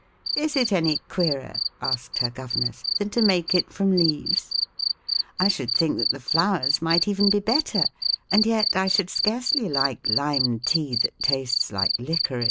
"Is it any queerer," asked her governess, "than to make it from leaves? I should think that the flowers might even be better, and yet I should scarcely like lime tea that tastes like licorice."